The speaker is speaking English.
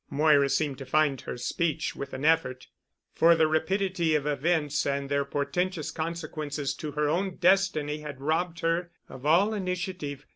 Moira seemed to find her speech with an effort, for the rapidity of events and their portentous consequences to her own destiny had robbed her of all initiative.